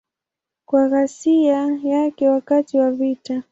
Kwa ghasia yake wakati wa vita.